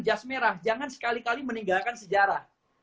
jas merah jangan sekali kali meninggalkan sejarah